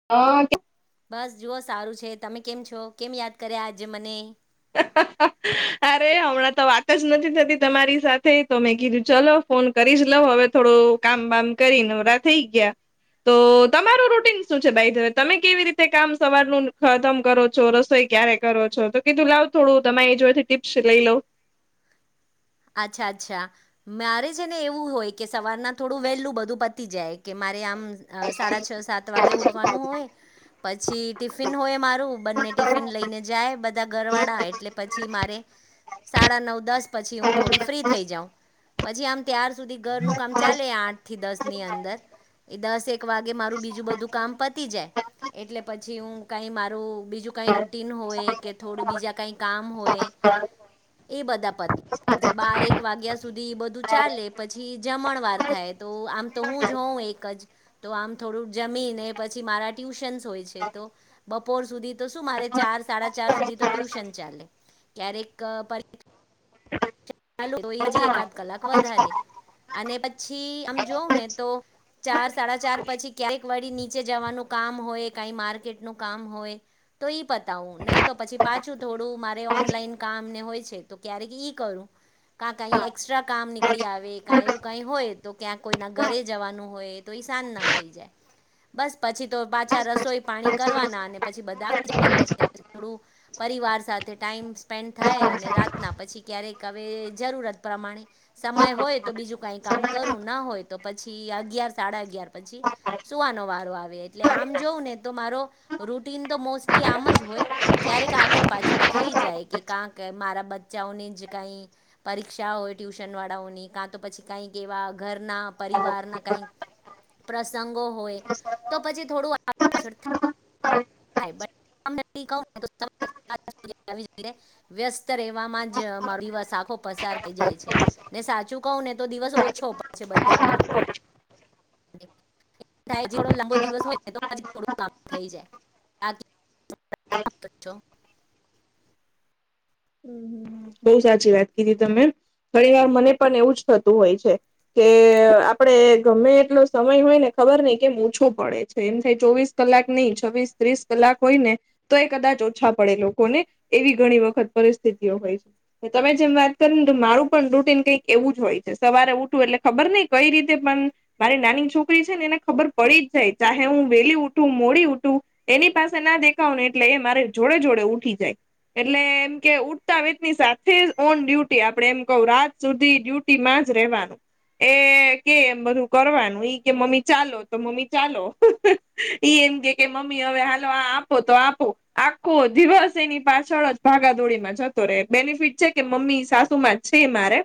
[unintelligible] બસ જુઓ સારું છે તમે કેમ છો કેમ યાદ કર્યા આજે મને અરે હમણાં તો વાત જ નથી થતી તમારી સાથે તો મેં કીધું ચલો ફોન કરી જ લઉ હવે થોડું કામ બામ કરી નવરા થઈ ગયા તો તમારું રૂટીન શું છે ભાઈ તવે તમે કેવી રીતે કામ સવારનું ખતમ કરો છો રસોઈ ક્યારેક કરો છો તો કીધું લાવ થોડું તમારે એ જોડેથી ટીપ્સ લઈ લવ અચ્છા અચ્છા મારે છે ને એવું હોય કે સવારના થોડું વહેલું બધું પતી જાય કે મારે આમ સાડા છ સાત વાગે ઉઠવાનું હોય પછી ટિફિન હોય મારું બંને ટિફિન લઈને જાય બધા ઘરવાળા એટલે પછી મારે સાડા નવ દસ પછી હું થોડી ફ્રી થઈ જાઉ પછી આમ ત્યાર સુધી ઘરનું કામ ચાલે આઠ થી દસની અંદર એ દસક એક વાગે મારું બીજું બધું કામ પતી જાય એટલે પછી હું કાંઈ મારું બીજું કાંઈ રૂટીન હોય કે થોડું બીજા કાંઈ કામ હોય હા એ બધા પતા પછી બારેક વાગ્યા સુધી બધું ચાલે પછી જમણ વાર થાય તો આમ તો હું જ હોઉં એક જ તો આમ થોડુંક જમીને પછી મારા ટ્યુશન્સ હોય છે તો બપોર સુધી તો શું મારે ચાર સાડા ચાર સુધી તો ટ્યુશન ચાલે ક્યારેક ચાલુ હોય હજી એકાદ કલાક વધારે અને પછી આમ જોઉં ને તો ચાર સાડા ચાર પછી ક્યાક વળી નીચે જવાનું કામ હોય કાઈ માર્કેટનું કામ હોય તો એ પતાવું નહીં તો પછી પાછું થોડું મારે ઓનલાઈન કામને હોય છે તો ક્યારેક ઈ કરું કા કઈ એસ્ટ્રા કામ નીકળી આવે કા એવું કઈ હોય તો ક્યાંક કોઈના ઘરે જવાનું હોય તો ઈ સાંજ ના થઈ જાય બસ પછી તો પાછા રસોઈ પાણી કરવાના અને પછી બધા જાય થોડું પરિવાર સાથે ટાઈમ સ્પેન્ડ થાય અને રાતના પછી ક્યારેક કવે જરૂરત પ્રમાણે સમય હોય તો બીજું કઈ કામ કરું ના હોય તો પછી અગિયાર સાડા અગિયાર પછી સુવાનો વારો આવે એટલે આમ જોઉં ને તો મારો રૂટીન તો મોસ્ટલી આમ જ હોય ક્યારેક આગળ પાછળ થઈ જાય કે કાંક મારા બચ્ચાઓને જ કઈ પરીક્ષા હોય ટ્યુશન વાળાઓની કાં તો પછી કઈક એવા ઘરના પરિવારના કંઈક પ્રસંગો હોય તો પછી થોડું આગળ પાછળ થાય [unintelligible] વ્યસ્ત રહેવામાં જ મારો દિવસ પસાર થઈ જાય છે ને સાચું કહું ને તો દિવસ ઓછો પડશે બધા માટે થાય થોડો લાંબો દિવસ હોયને તો થોડું કામ થઈ જાય કર છો [unintelligible] હમ હમ બઉ સાચી વાત કીધી તમે ઘણી વાર મને પણ એવું જ થતું હોય છે. કે આપડે ગમે એટલો સમય હોય ને ખબર નઈ કેમ ઓછું પડે છે એમ થાય ચોવીસ કલાક નહી છવ્વીસ ત્રીસ કલાક હોય ને તો એ કદાચ ઓછા પડે લોકોને એવી ઘણી વખત પરિસ્થિતિઓ હોય છે. તમે જેમ વાત કરી ને તો મારું પણ રૂટીન કંઈક એવું જ હોય છે સવારે ઉઠવું એટલે ખબર નહીં કઈ રીતે પણ મારી નાની છોકરી છે ને એને ખબર પડી જ જાય ચાહે હું વેલી ઉઠું મોડી ઉઠું એની પાસે ના દેખાવ ને એટલે એ મારે જોડે જોડે ઉઠી જાય એટલે એમ કે ઉઠતા વ ની સાથે ઓન ડ્યુટી આપડે એમ કહુ રાત સુધી ડ્યુટી માં જ રહેેવાનું એ કે એમ બધું કરવાનું ઈ કે મમ્મી ચાલો તો મમ્મી ચાલો એ એમ કે કે મમ્મી હવે હાલો આ આપો તો આપો આખો દિવસ એની પાછળ જ ભાગાદોડીમાં જતો રહે બેનિફિટ છે કે મમ્મી સાસુ માં જ છે મારે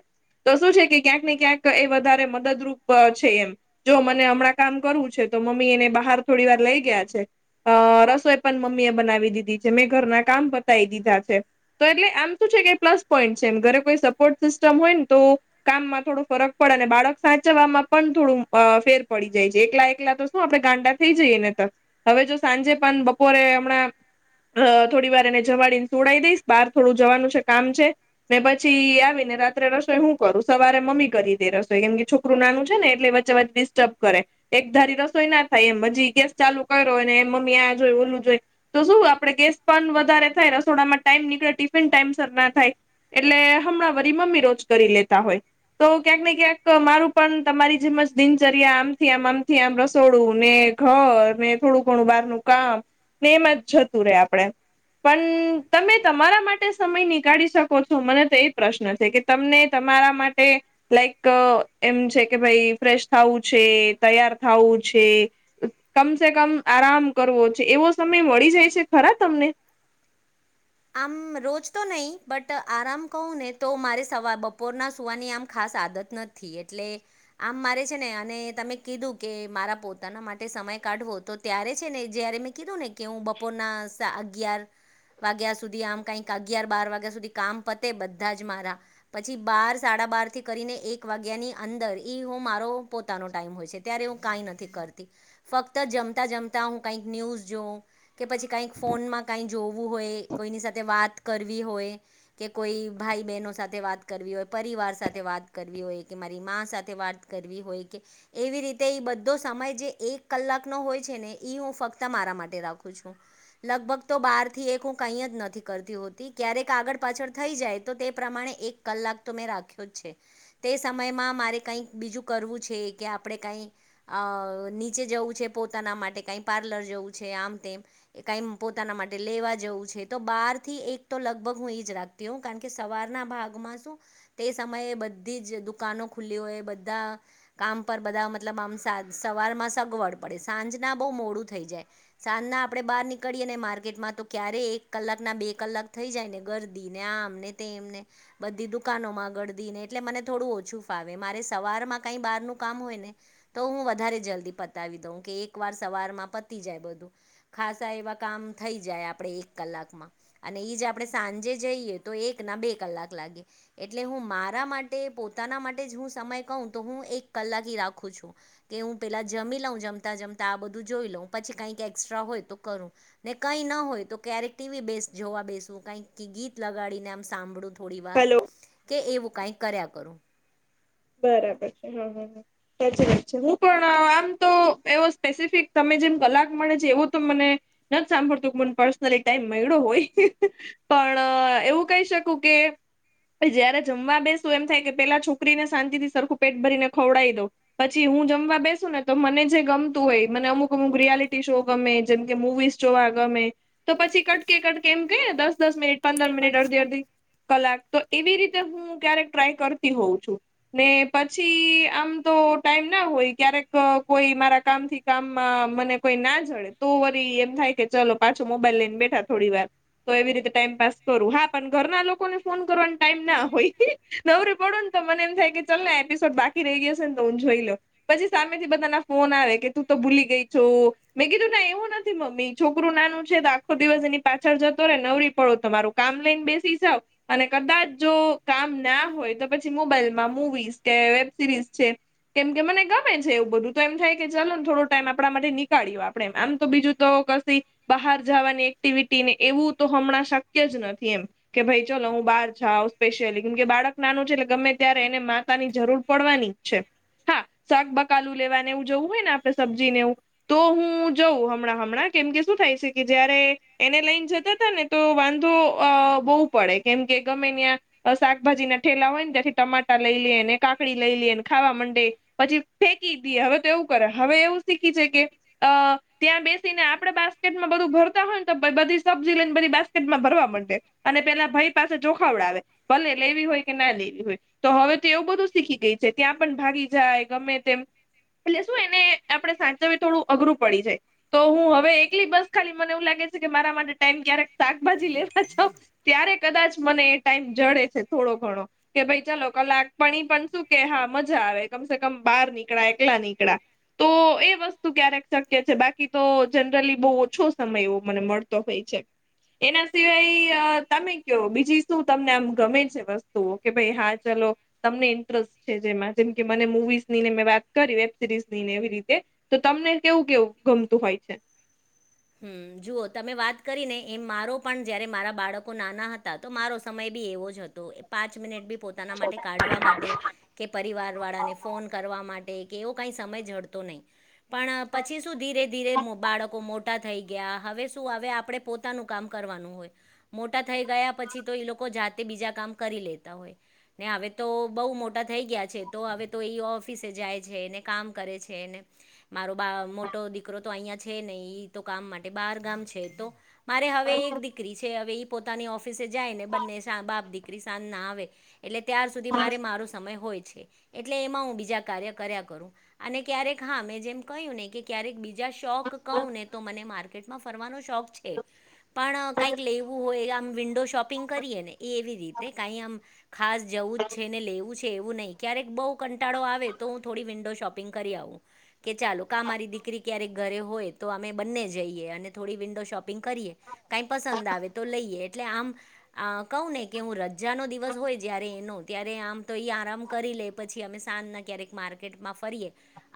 તો શું છે કે ક્યાંક ને ક્યાંક એ વધારે મદદરૂપ છે જો મને હમણાં કામ કરવું છે તો મમ્મી એને બહાર થોડી વાર લઈ ગયા છે અ રસોઈ પણ મમ્મી એ બનાવી દીધી છે મેં ઘરના કામ પતાવી દીધા છે તો એટલે આમ શું છે કે પ્લસ પોઈન્ટ છે એમ ઘરે કોઈ સપોર્ટ સિસ્ટમ હોય ને તો કામમાં થોડો ફરક પણ અને બાળક સાચવવામાં પણ થોડું અ ફેર પડી જાય છે એકલા એકલા તો શું આપડે ગાંડા થઈ જઈએ નહિતર હવે જો સાંજે પણ બપોરે હમણાં અ થોડી વાર એને જમાડીને સુવડાવી દઈશ બાર થોડું જવાનું છે કામ છે ને પછી આવી ને રાત્રે રસોઈ હુ કરું સવારે મમ્મી કરી દે રસોઈ કેમ કે છોકરું નાનું છે ને એટલે વચ્ચે વચ્ચે ડિસ્ટર્બ કરે એકધારી રસોઈ ના થાય એમ હજી ગેસ ચાલુ કર્યો અને એમ મમ્મી આ જોય ઓલું જોઈ તો શું આપડે ગેસ પણ વધારે થાય રસોડામાં ટાઈમ નીકળે ટિફિન ટાઈમ સર ના થાય એટલે હમણાં વરી મમ્મી રોજ કરી લેતા હોય તો ક્યાંક ને ક્યાંક મારું પણ તમારી જેમજ દિનચર્યા આમથી આમ આમથી આમ રસોડું ને ઘર ને થોડું ઘણું બહારનું કામ ને એમાં જ જતું રે આપડે પણ તમે તમારા માટે સમય નીકાળી શકો છો મને તો એ પ્રશ્ન છેકે તમને તમારા માટે લાઈક એમ છેકે ભાઈ ફ્રેશ થવું છે તૈયાર થવું છે. કમસેકમ આરામ કરવો છે એવો સમય મળી જાય છે ખરા તમને આમ રોજ તો નહીં બટ આરામ કહું ને તો મારે સવાર બપોરના સુવાની આમ ખાસ આદત નથી એટલે આમ મારે છેને અને તમે કીધું કે મારા પોતાના માટે સમય કાઢવો તો ત્યારે છેને જયારે મેં કીધુંને કે હું બપોરના સા અગીયર વાગ્યા સુધી આમ કઈક અગિયાર બાર વાગ્યા સુધી કામ પતે બધા જ મારા પછી બાર સાડાબાર થી કરીને એક વાગ્યાની અંદર ઈ હું મારો પોતાનો ટાઈમ હોય છે. ત્યારે હું કઈ નથી કરતી ફક્ત જમતા જમતા હું કઈક ન્યૂઝ જોઉં કે પછી કાંઈક ફોનમાં કાંઈ જોવું હોય કોઈની સાથે વાત કરવી હોય કે કોઈ ભાઈ બહેનો સાથે વાત કરવી હોય પરિવાર સાથે વાત કરવી હોય કે મારી મા સાથે વાત કરવી હોય કે એવી રીતે બધો સમય જે એક કલાકનો હોય છેને ઈ હું ફક્ત મારા માટે રાખું છું. લગભગ તો બાર થી એક કઈ જ નથી કરતી હોતી ક્યારેક આગળ પાછળ થઈ જાય તો તે પ્રમાણે એક કલાકતો મેં રાખ્યો જ છે. તે સમયમાં મારે કંઈક બીજું કરવું છે કે આપણે કાંઈ અ નીચે જવું છે પોતાના માટે કઈ પાર્લર જવું છે આમ તેમ એ કઈ પોતાના માટે લેવા જવું છે. તો બાર થી એક તો લગભગ હું એજ રાખતી હોઉ કારણ કે સવારના ભાગમાં શું તે સમયે બધીજ દુકાનો ખુલ્લી હોય બધા કામ પર બધા મતલબ આમ સવારમાં સગવડ પડે સાંજના બહુ મોડું થઈ જાય સાંજના આપળે બહાર નીકળીએને માર્કેટમાં તો ક્યારે એક કલાક ના બે કલાક થઈ જાય ને ગર્દીને આમને તેમને બધી દુકાનોમાં ગળધી ને એટલે મને થોડું ઓછું ફાવે મારે સવારમાં કઈ બારનું કામ હોય ને તો હું વધારે જલ્દી પતાવી દઉં કે એક વાર સવારમાં પતી જાય બધું ખાસા એવા કામ થઈ જાય આપણેે એક કલાકમાં અને ઈજ આપણે સાંજે જઈએ તો એક ના બે કલાક લાગે એટલે હું મારા માટે પોતાના માટે જ હું સમય કઉં તો હું એક કલાકી રાખું છું કે હું પેલાં જમી લઉં જમતાં જમતા આ બધું જોઈ લઉં પછી કાંઈક એક્સ્ટ્રા હોય તો કરું ને કઈ ન હોય તો ક્યારેક ટીવી બેસ્ટ જોવા બેશું કંઈક ગીત લગાડીને આમ સાંભળું થોડી વાર હલો કે એવું કાઇક કર્યા કરું બરાબર છે, હ હ હ સાચી વાત છે, હું પણ આમ તો એવો સ્પેસિફિક તમે જેમ કલાક મળે છે, એવો તો મને નથ સાંભળતું મને પર્સનલી ટાઈમ મયળો હોય પણ એવું કહી શકું કે જયારે જમવા બેસું એમ થાય કે પેલા છોકરીને શાંતિથી સરખું પેટ ભરીને ખવડાવી દઉં પછી હું જમવા બેસુને તો મને જે ગમતું હોય મને અમુક અમુક રિયાલિટી શો ગમે જેમ કે મુવીઝ જોવા ગમે તો પછી કટકે કટકે એમ કયે દસ દસ મિનિટ પંદર મિનિટ અડધી અડધી કલાક તો એવી રીતે હું ક્યારેક ટ્રાય કરતી હોઉં છું. ને પછી આમ તો ટાઈમના હોય ક્યારેક કોઈ મારા કામથી કામમાં મને કોઈ નાજડે તો વરી એમ થાય કે ચલો પાછો મોબાઈલ લઈને બેઠા થોડી વાર તો એવી રીતે ટાઈમ પાસ કરું હા પણ ઘરના લોકોને ફોન કરવાનો ટાઈમ ના હોય નવરી પડો ને તો મને એમ થાય કે ચાલ ને એપિસોડ બાકી રહી જશે તો હું જોઈ લ પછી સામેથી બધાના ફોન આવે કે તું તો ભૂલી ગઈ [unintelligible] મેં કીધું ના એવું નથી મમ્મી છોકરું નાનું છે, તો આખો દિવસ એની પાછળ જતો ને નવરી પડો તમારો કામ લઈને બેસી જાવ અને કદાચ જો કામ ના હોય તો પછી મોબાઈલ મુવીઝ કે વેબ સિરીઝ છે. કેમ કે મને ગમે છે, એવું બધું તો એમ થાય કે ચાલો ને થોડો ટાઈમ આપણા માટે નીકળ્યો આપણે આમ તો બીજું તો કસી બહાર જાવાની એક્ટિવિટીને એવું તો હમણાં શક્ય જ નથી એમ કે ભાઈ ચલો હું બહાર જાઉં સ્પેશિયલી કેમ કે બાળક નાનું છે, એટલે ગમે ત્યારે એને માતાની જરૂર પડવાની જ છે. હા શાક બકાલુ લેવા નેવું જવું હોય ને આપણે સબ્જીનેવું તો હું જઉં હમણાં હમણાં કેમ કે શું થાય છે, કે જયારે એને લઈન જતાતા ને તો વાંધો અ બો પડે કેમ કે ગમે નયા અ શાકભાજીના ઠેલા હોય ને ત્યાંથી ટમાટા લઈ લે ને કાકડી લઈ લઈએને ખાવા મંડે પછી ફેંકી દીએ હવે તો એવું કરે હવે એવું શીખી છે, કે અ ત્યાં બેસીને આપડે બાસ્કેટમાં બધું ભરતા હોય ને તો બધી સબ્જી લઈને બધી બાસ્કેટમાં ભરવા મંડે અને પેલા ભાઈ પાસે જો ખવડાવે ભલે લેવી હોય કે ના લેવી હોય તો હવે તો એવું બધું શીખી ગય છે, ત્યાં પણ ભાગી જાય ગમે તેમ એટલે શું એને આપણે સાચવી થોડું અઘરું પડી જા તો હું હવે એકલી બસ ખાલી મને એવું લાગે છે, કે મારા માટે ટાઈમ ક્યારેક શાકભાજી લેવા જ ત્યારે કદાચ મને એ ટાઈમ જડે છે, થોડો ઘણો કે ભાઈ ચાલો કલાક પણી પણ શું કે હા મજા આવે કમસે કમ બાર નીકળાય એકલા નીકળા તો એ વસ તુ ક્યારેક શક્ય છે, બાકી તો જનરલી બો ઓછો સમય એવો મને મળતો હોય છે. એના સિવાય તમે કયો બીજી શું તમને આમ ગમે છે, વસ્તુઓ કે ભાઈ હા ચલો તમને ઇન્ટરેસ્ટ છે જેમાં જેમ કે મને મુવીઝની ને મેં વાત કરી વેબ સિરીઝની ને એવી રીતે તો તમને કેવું કેવું ગમતું હોય છે? હમ જુઓ તમે વાત કરીને એમ મારો પણ જયારે મારા બાળકો નાના હતા તો મારો સમય બી એવો જ હતો તો પાંચ મિનિટ બી પોતાના માટે કાઢવા માટે કે પરિવારવાળાને ફોન કરવા માટે કે એવો કાંઈ સમય ઝડતો નય. પણ પછી શું ધીરે ધીરે બાળકો મોટ મોટા થઈ ગયા હવે શું હવે આપડે પોતાનું કામ કરવાનું હોય. મોટા થઈ ગયા પછી તો એ લોકો જાતે બીજા કામ કરી લેતા હોય. ને હવે તો બોવ મોટા થઈ ગયા છે તો હવે તો એ ઓફિસે જાય છે ને કામ કરે છે ને મારો બા મોટો દીકરો તો અહિયાં છે નય એ તો કામ માટે બાર ગામ છે તો મારે હવે એક દીકરી છે હવે ઈ પોતાની ઓફિસે જાય ને બંને બાપ દીકરી સાંજ ના આવે એટલે ત્યાર સુધી મારે મારો સમય હોય છે. એટલે એમાં હું બીજા કાર્ય કર્યા કરું અને ક્યારેક હા મેં જેમ કહ્યું ને કે ક્યારેક બીજ જ્યાં શોખ ક‌ઉ ને તો મને માર્કેટમાં ફરવાનો શોખ છે. પણ કઈક લેવું હોય આમ વિન્ડો શોપિંગ કરીએ ને એ એવી રીતે કઈ આમ ખાસ જવું જ છે ને લેવું છે એવું ન‌ઈ ક્યારેક બો કટળો આવે તો હું થોડી વિન્ડો શોપ પીગ કરી આવું કે ચાલો કા મારી દીકરી ક્યારેક ઘરે હોય તો અમે બંને જઈએ અને થોડી વિન્ડો શોપિંગ કરીએ કાઈ પસંદ આવે તો લઈએ એટલે આમ આ ક‌ઉ ને કે હું રજાનો દિવસ હોય જ્યારે એનો ત્યારે આમ તો એ આરામ કરી લે પછી અમે સાંજના ક્યારેક માર્કેટમાં ફરીએ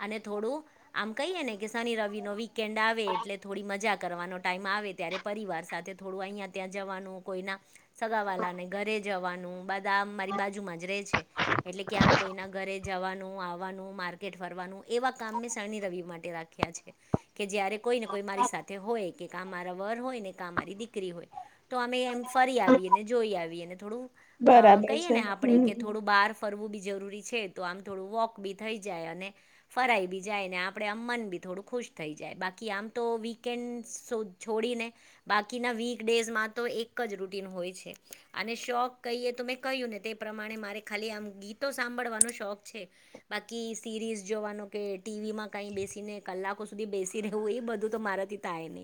અને થોડું આમ કહીએ ને કે શની રવિનો વીકેન્ડ આવે આવે એટલે થોડી મજા કરવાનો ટાઈમ આવે ત્યારે પરિવાર સાથે થોડું અહીંયા ત્યાં જવાનું કોઈના સગાવાલાાને ઘરે જવાનું બધા આમ મારી બાજુમાં જ રેય છે. એટલે ક્યાંક કોઈના ઘરે જવાનું આવવાનું માર્કેટ ફરવાનું એવા કામ મેં શની રવિ માટે રાખી રાખ્યા છે કે જ્યારે કોઈ ને કોઈ મારી સાથે હોય કે કા મારો વર હોય ને કા મારી દીકરી હોય. તો અમે એમ ફરી આવીને જોઈ આવીએને થોડું અ બરાબર કહીએ છે ને આપણે કે હમ થોડુંક બહાર ફરવું બી જરૂરી છે તો આમ થોડું વોક બી થઈ જાય અને ફરાઈ બી જાય ને આપડે આમ મન બી થોડું ખુશ થઈ જાય બાકી કે આમ તો વીકેન્ડશ છોડીને બાકીના વીક ડેઝમાં તો એક જ રૂટીન હોય છે અને શોખ કહીએ તો મેં કહ્યું ને તે પ્રમાણે મારે ખાલી આમ ગીતો સાંભળવાનો શોખ છે. બાકી સીરીઝ જોવાનું કે ટીવીમાં કઈ બેસીને કલાકો સુધી બેસી દીધું એ બધું તો મારાથી થાય નય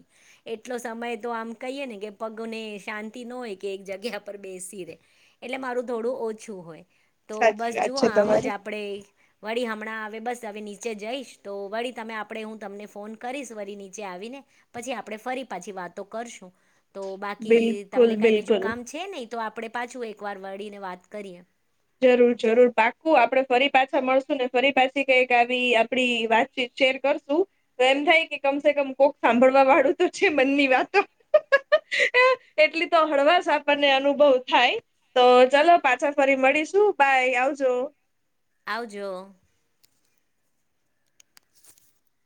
એટલો સમય તો આમ કહીએ ને કે પગને શાંતિ ન હોય કે એક જગ્યા પર બેસી રે એટલે મારું થોડું ઓછું હોય તો સાચી બસ વાત જુઓ છે આમ જ તમારી. આપડે વળી હમણાં હવે બસ હવે નીચે જઈશ તો વળી તમે આપણે હું તમને ફોન કરીશ વરી નીચે આવીને પછી આપડણે ફરી પાછી વાતો કરશું તો બાકી બિલકુલ તમને કાંઈ બીજું બિલકુલ. કામ છે નહીં તો આપણે પાછું એકવાર વળીને વાત કરીએ. જરૂર જરૂર પાકું આપડે ફરી પાછા મળશું ને ફરી પાછી કઈક આવી આપડી વાત શેર કરશું તો એમ થાય કે કમસે કમ કોક સાંભળવા વાળું તો છે મનની વાતો એટલી તો હળવાસ આપણ ને અનુભવ થાય. તો ચલો પાછા ફરી મળીશું બાય આવજો. આવજો. [inaudible]